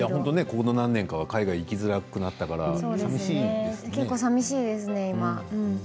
ここ何年かは海外に行きづらくなったから寂しいですね。